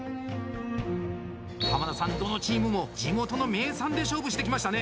濱田さん、どのチームも地元の名産で勝負してきましたね。